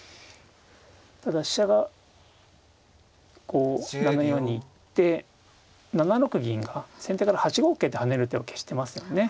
ただ飛車がこう７四に行って７六銀が先手から８五桂と跳ねる手を消してますよね。